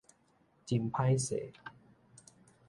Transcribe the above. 真歹勢